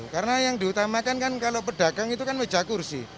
karena yang diutamakan kan kalau pedagang itu kan meja kursi